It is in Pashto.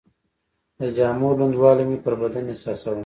د جامو لوندوالی مې پر بدن احساساوه.